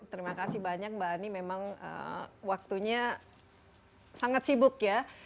terima kasih banyak mbak ani memang waktunya sangat sibuk ya